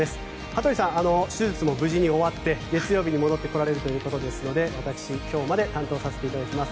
羽鳥さん、手術も無事に終わって月曜日に戻ってこられるということですので私、今日まで担当させていただきます。